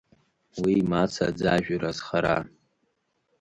Уи имаца аӡажәыр азхара!